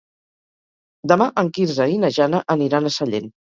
Demà en Quirze i na Jana aniran a Sallent.